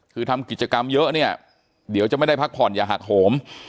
คือทำกิจกรรมเยอะเนี่ยเดี๋ยวจะไม่ได้พักผ่อนอย่าหักโหม